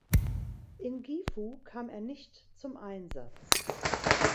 In Gifu kam er nicht zum Einsatz.